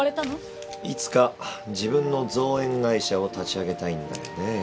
いつか自分の造園会社を立ち上げたいんだよね？